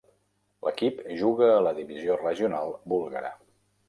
L'equip juga a la divisió regional búlgara.